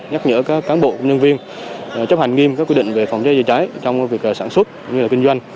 nhắc nhở các cán bộ nhân viên chấp hành nghiêm các quy định về phòng cháy trịa cháy trong việc sản xuất kinh doanh